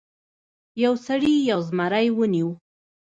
یو سړي یو زمری ونیو.